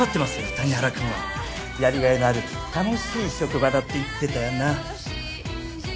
谷原君はやり甲斐のある楽しい職場だって言ってたよな？